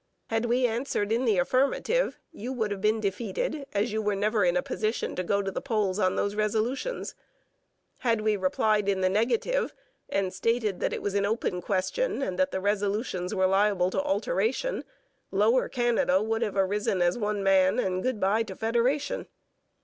Had we answered in the affirmative, you would have been defeated, as you were never in a position to go to the polls on those resolutions. Had we replied in the negative, and stated that it was an open question and that the resolutions were liable to alteration, Lower Canada would have arisen as one man, and good bye to federation.